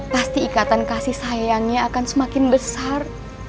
pasti ikatan kasih sayangnya akan semakin besar